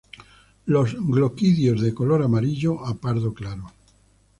Los gloquidios de color amarillo a pardo claro.